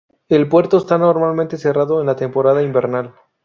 El puerto está normalmente cerrado en la temporada invernal.